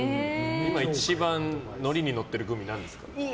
今一番乗りに乗ってるグミなんですか？